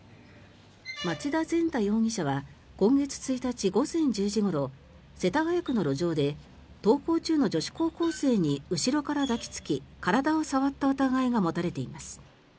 町田善太容疑者は今月１日午前１０時ごろ世田谷区の路上で登校中の女子高校生に後ろから抱き着き体を触った疑いが持たれています。